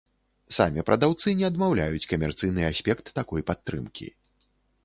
Самі прадаўцы не адмаўляюць камерцыйны аспект такой падтрымкі.